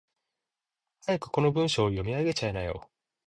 早くこの文章を読み上げちゃいなよ。